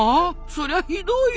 そりゃひどい。